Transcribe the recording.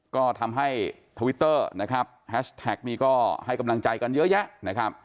ก็ทำให้ทวิตเตอร์นะครับแฮชแท็กนี่ก็ให้กำลังใจกันเยอะแยะนะครับ